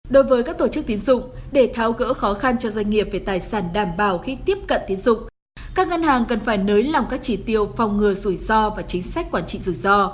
đối với các tổ chức tín dụng để tháo gỡ khó khăn cho doanh nghiệp về tài sản đảm bảo khi tiếp cận tín dụng